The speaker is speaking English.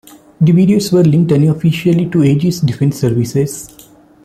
The videos were linked unofficially to Aegis Defence Services.